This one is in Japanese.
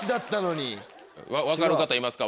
分かる方いますか？